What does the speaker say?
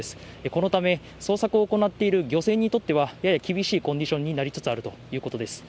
このため、捜索を行っている漁船にとっては、やや厳しいコンディションになりつつあるということです。